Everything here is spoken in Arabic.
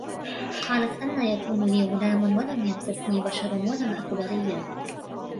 قَالَتْ أَنَّى يَكُونُ لِي غُلَامٌ وَلَمْ يَمْسَسْنِي بَشَرٌ وَلَمْ أَكُ بَغِيًّا